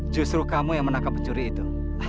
justru kamu yang menangkap pencuri itu